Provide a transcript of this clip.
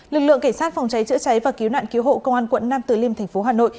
lực lượng cảnh sát phòng cháy chữa cháy và cứu nạn cứu hộ công an quận nam từ liêm thành phố hà nội